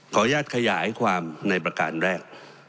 ขออนุญาตขยายความในประการแรก